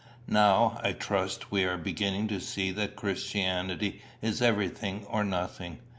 Now, I trust, we are beginning to see that Christianity is everything or nothing.